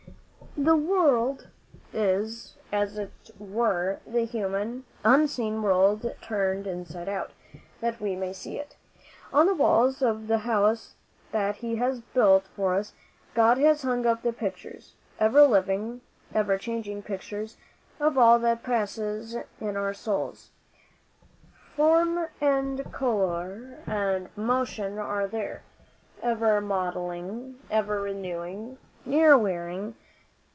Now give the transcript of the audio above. The world is, as it were, the human, unseen world turned inside out, that we may see it. On the walls of the house that he has built for us, God has hung up the pictures ever living, ever changing pictures of all that passes in our souls. Form and colour and motion are there, ever modelling, ever renewing, never wearying.